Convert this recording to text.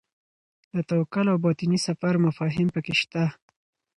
د توکل او باطني سفر مفاهیم پکې شته.